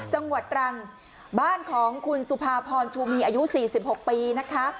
จังหวัดตรังบ้านของคุณสุภาพรชูมีอายุ๔๖ปีนะคะ